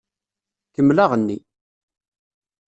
Kemmel aɣenni!